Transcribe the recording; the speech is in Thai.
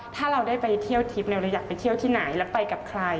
ถ้าเราได้ไปที่อยากไปที่ไหนแล้วไปกับใคร